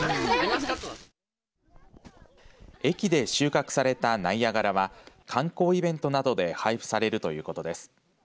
駅で収穫されたナイアガラは観光イベントなどで配布されるということです。